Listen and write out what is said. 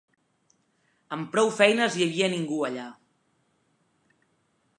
Amb prou feines hi havia ningú allà.